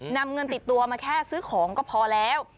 นำเงินติดตัวมาแค่ซื้อของก็พอแล้ว